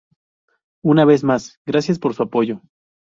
Una vez más ¡gracias por su apoyo!